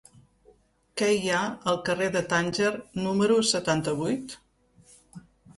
Què hi ha al carrer de Tànger número setanta-vuit?